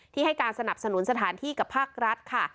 ให้การสนับสนุนสถานที่กับภาครัฐค่ะ